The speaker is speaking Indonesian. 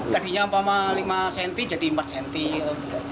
tadinya rp lima jadi rp empat atau rp tiga